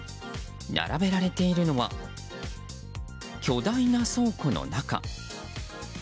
並べられているのは巨大な倉庫の中。